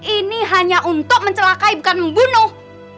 ini hanya untuk mencelakai bukan membunuh